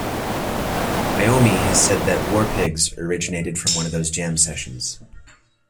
Iommi has said that "War Pigs" originated from one of those jam sessions.